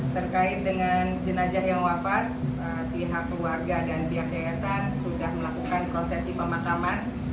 terkait dengan jenajah yang wafat pihak keluarga dan pihak yayasan sudah melakukan prosesi pemakaman